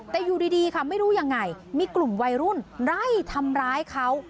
แต่อยู่ดีค่ะไม่รู้ยังไงมีกลุ่มวัยรุ่นไล่ทำร้ายเขา